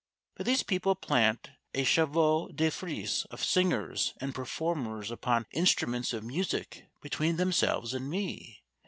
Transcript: But these people plant a chevaux de frise of singers and performers upon instruments of music between themselves and me.